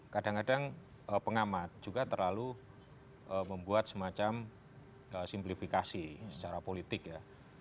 kadang kadang pengamat juga terlalu membuat semacam simplifikasi secara politik ya